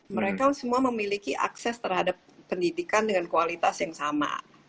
mereka semua memiliki akses terhadap pendidikan dengan kualitas yang sama